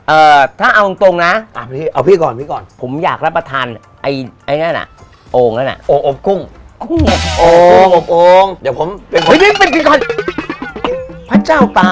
เออถ้าเอาตรงนะเอาพี่ก่อนพี่ก่อนผมอยากรับประทานไอ่นั่นน่ะ